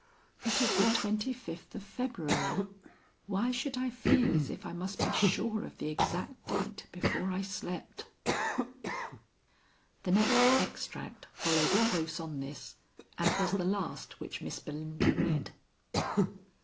"It is the twenty fifth of February. Why should I feel as if I must be sure of the exact date before I slept?" The next extract followed close on this and was the last which Miss Belinda read.